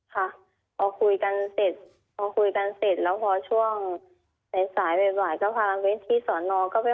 ค่ะพอคุยกันเสร็จพอคุยกันเสร็จแล้วพอช่วงสายสายบ่ายก็พาไปที่สอนอก็ไป